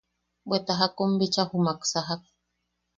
Bweta jakun bicha jumak sajak.